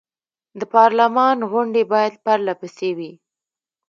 د پارلمان غونډې باید پر له پسې وي.